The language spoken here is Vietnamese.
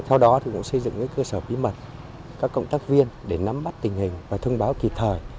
theo đó cũng xây dựng cơ sở bí mật các cộng tác viên để nắm bắt tình hình và thông báo kịp thời